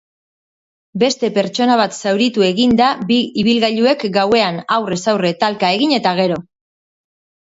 Beste pertsona bat zauritu eginda bi ibilgailuek gauean aurrez aurre talkaegin eta gero.